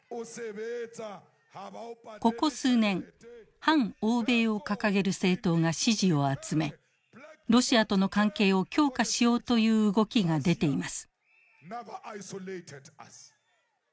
ここ数年反欧米を掲げる政党が支持を集めロシアとの関係を強化しようという動きが出ています。